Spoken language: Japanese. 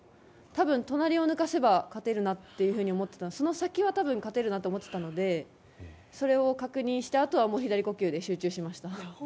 隣を抜かせば勝てるなと思っていてその先は多分勝てるなと思ってたのでそれを確認してあとは左呼吸で集中しました。